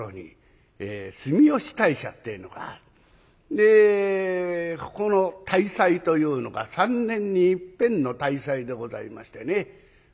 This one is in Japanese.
でここの大祭というのが３年にいっぺんの大祭でございましてね。